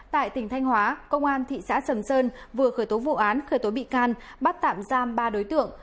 tại tỉnh thanh hóa công an thị xã sầm sơn vừa khởi tố vụ án khởi tố bị can bắt tạm giam ba đối tượng